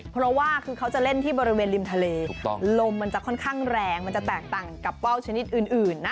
เพราะว่าคือเขาจะเล่นที่บริเวณริมทะเลลมมันจะค่อนข้างแรงมันจะแตกต่างกับว่าวชนิดอื่นนะ